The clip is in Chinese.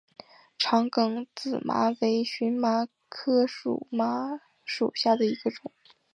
长梗紫麻为荨麻科紫麻属下的一个种。